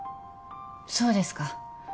そうですか。